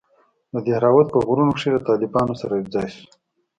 د دهراوت په غرونوکښې له طالبانو سره يوځاى سو.